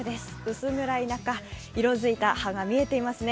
薄暗い中、色づいた葉が見えていますね。